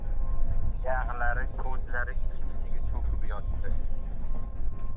Jag‘lari, ko‘zlari ich-ichiga cho‘kib yotdi.